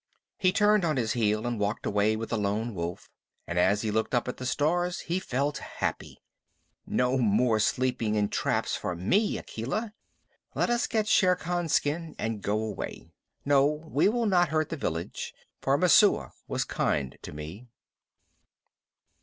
He turned on his heel and walked away with the Lone Wolf, and as he looked up at the stars he felt happy. "No more sleeping in traps for me, Akela. Let us get Shere Khan's skin and go away. No, we will not hurt the village, for Messua was kind to me."